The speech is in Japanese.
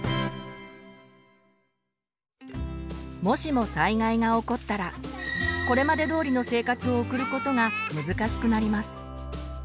もしも災害が起こったらこれまでどおりの生活を送ることが難しくなります。